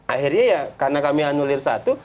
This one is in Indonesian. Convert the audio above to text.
akhirnya ya karena kami anulir satu